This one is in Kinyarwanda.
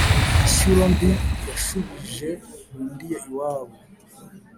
Inshyuro mbi yashubije Nkundiye iwabo.